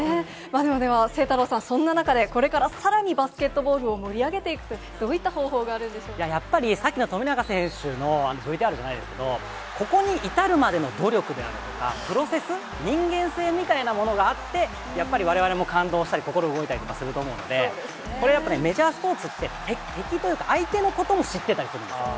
でも晴太郎さん、そんな中でこれからさらにバスケットボールを盛り上げていく、どういった方やっぱり、さっきの富永選手のＶＴＲじゃないですけど、ここに至るまでの努力であるとか、プロセス、人間性みたいなものがあって、やっぱりわれわれも感動したり、心動いたりとかすると思うんで、これやっぱりね、メジャースポーツって敵というか相手のことも知ってたりするんですよ。